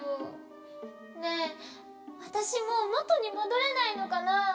ねえわたしもうもとにもどれないのかなあ？